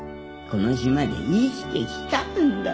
この島で生きてきたんだ。